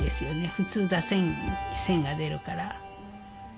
普通出せん線が出るから。